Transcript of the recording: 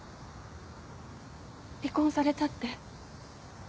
離婚されたって。